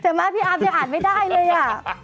แต่มั้ยพี่อามยังอ่านไม่ได้เลยอ่ะ